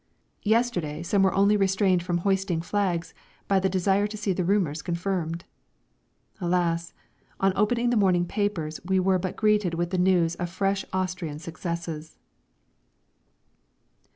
Yesterday some were only restrained from hoisting flags by the desire to see the rumours confirmed. Alas! on opening the morning papers we were but greeted with the news of fresh Austrian successes.